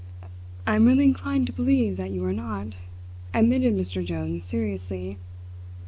"I am really inclined to believe that you are not," admitted Mr. Jones seriously.